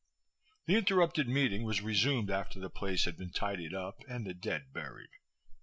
The interrupted meeting was resumed after the place had been tidied up and the dead buried.